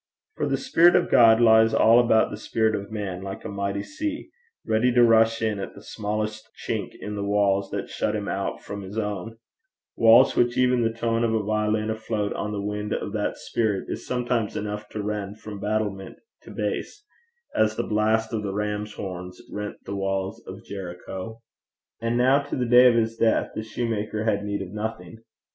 For the spirit of God lies all about the spirit of man like a mighty sea, ready to rush in at the smallest chink in the walls that shut him out from his own walls which even the tone of a violin afloat on the wind of that spirit is sometimes enough to rend from battlement to base, as the blast of the rams' horns rent the walls of Jericho. And now to the day of his death, the shoemaker had need of nothing.